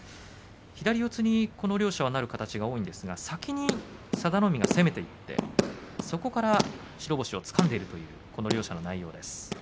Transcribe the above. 左四つにこの両者なる形が多いんですが先に佐田の海が攻めていってそこから白星をつかんでいるというこの両者の内容です。